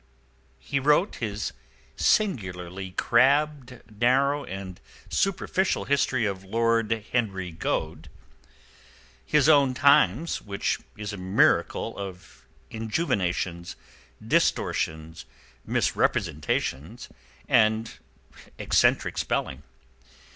He wrote his singularly crabbed, narrow and superficial History of Lord Henry Goade: his own Times—which is a miracle of injuvenations, distortions, misrepresentations, and eccentric spelling.